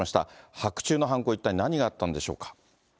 白昼の犯行、一体何があったんでしょうか。